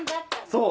「そう。